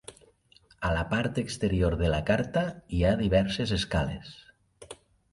A la part exterior de la carta hi ha diverses escales.